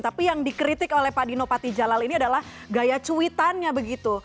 tapi yang dikritik oleh pak dino patijalal ini adalah gaya cuitannya begitu